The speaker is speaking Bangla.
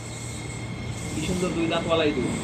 কি সুন্দর দুই দাঁতওয়ালা ইঁদুর।